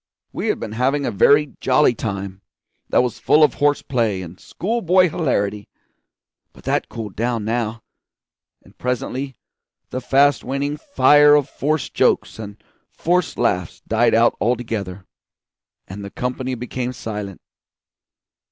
We had been having a very jolly time, that was full of horse play and school boy hilarity; but that cooled down now, and presently the fast waning fire of forced jokes and forced laughs died out altogether, and the company became silent.